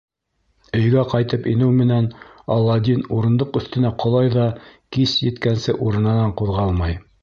Өйгә ҡайтып инеү менән Аладдин урындыҡ өҫтөнә ҡолай ҙа кис еткәнсе урынынан ҡуҙғалмай.